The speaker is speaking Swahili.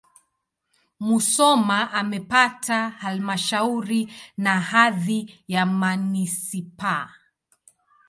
Musoma imepata halmashauri na hadhi ya manisipaa.